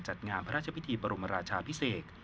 จัดงานพระราชพิธีบรมราชาพิเศษ